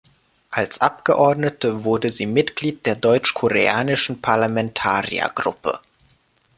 Als Abgeordnete wurde sie Mitglied der Deutsch-Koreanischen Parlamentariergruppe.